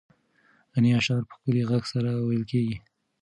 غنایي اشعار په ښکلي غږ سره ویل کېږي.